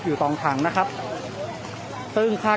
มันก็ไม่ต่างจากที่นี่นะครับ